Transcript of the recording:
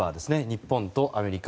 日本とアメリカ